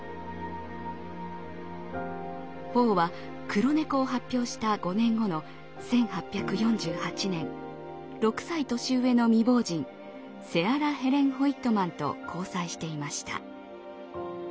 ポーは「黒猫」を発表した５年後の１８４８年６歳年上の未亡人セアラ・ヘレン・ホイットマンと交際していました。